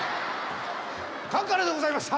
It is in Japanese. カンカラでございました。